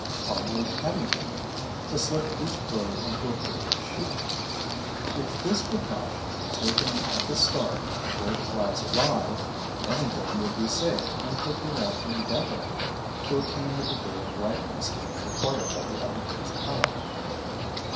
Hardly anything: to slip each bird into a paper sheath. If this precaution were taken at the start, before the flies arrive, any game would be safe and could be left indefinitely to attain the degree of ripeness required by the epicure's palate.